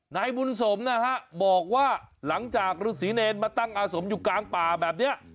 นายบุญสมนะฮะบอกว่าหลังจากฤษีเนรมาตั้งอาสมอยู่กลางป่าแบบนี้